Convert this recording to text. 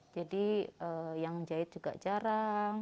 jadi yang jahit juga jarang